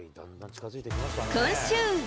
今週。